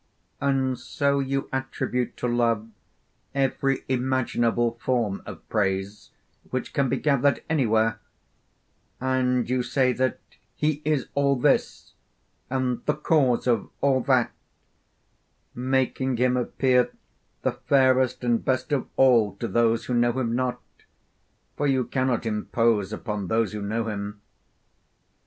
And so you attribute to Love every imaginable form of praise which can be gathered anywhere; and you say that 'he is all this,' and 'the cause of all that,' making him appear the fairest and best of all to those who know him not, for you cannot impose upon those who know him.